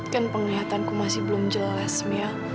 kan penglihatanku masih belum jelas ya